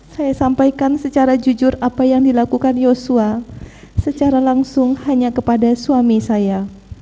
saya sampaikan secara jujur apa yang dilakukan yosua secara langsung hanya kepada suami saya